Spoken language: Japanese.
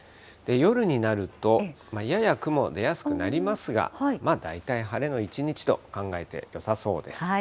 夜になると、やや雲、出やすくなりますが、大体晴れの一日と考えてよさそうです。